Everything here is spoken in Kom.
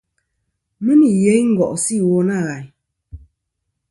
Mɨ nì yeyn ngo'sɨ iwo nâ ghàyn.